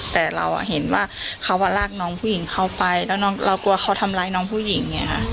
แต่เราเห็นว่าเขาลากน้องผู้หญิงเข้าไปแล้วเรากลัวเขาทำร้ายน้องผู้หญิง